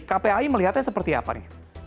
kpai melihatnya seperti apa nih